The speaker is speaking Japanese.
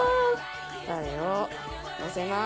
タレをのせます。